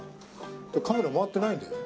カメラ回ってないんだよ？